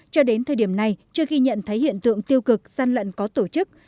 cho đến thời điểm này chưa ghi nhận thấy hiện tượng tiêu cực gian lận có tổ chức